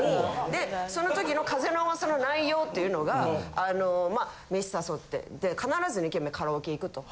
でその時の風の噂の内容というのがあの飯誘ってで必ず２軒目カラオケ行くと。